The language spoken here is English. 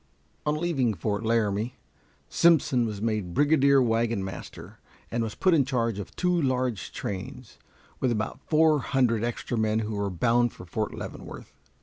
On leaving Fort Laramie, Simpson was made brigadier wagon master, and was put in charge of two large trains, with about four hundred extra men who were bound for Fort Leavenworth.